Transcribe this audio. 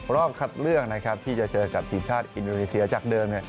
รอบคัดเลือกนะครับที่จะเจอกับทีมชาติอินโดนีเซียจากเดิม